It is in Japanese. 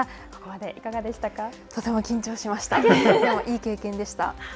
でもいい経験でした。